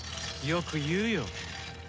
よく言うよ。